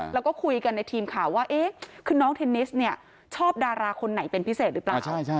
แล้วก็คุยกันในทีมข่าวว่าคือน้องเทนนิสเนี่ยชอบดาราคนไหนเป็นพิเศษหรือเปล่า